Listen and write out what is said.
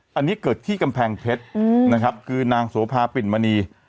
ก็เกิดที่กำแพงเพชต์คือนั่งโสภาปิ่นมะนี